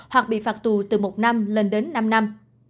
hoặc bị phạt tù từ một năm lên đến năm năm